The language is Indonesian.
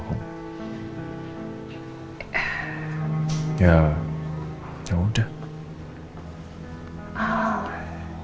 pantau kamu semua